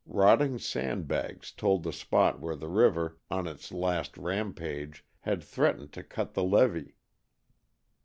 Rotting sand bags told the spot where the river, on its last "rampage" had threatened to cut the levee.